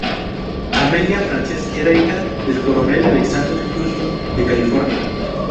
Amelia Frances era hija del coronel Alexander Houston, de California.